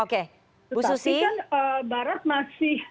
tetapi kan barat masih